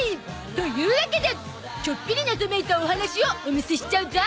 というわけでちょっぴり謎めいたお話をお見せしちゃうゾ